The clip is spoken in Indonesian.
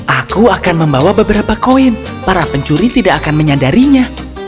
aku akan membawa beberapa koin para pencuri tidak akan menyadarinya